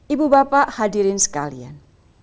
ibu bapak hadirin sekalian